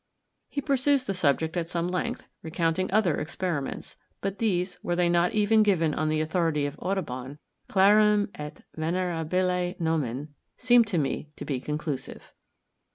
He pursues the subject at some length, recounting other experiments; but these, were they not even given on the authority of Audubon clarum et venerabile nomen seem to me to be conclusive.